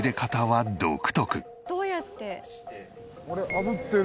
あぶってる。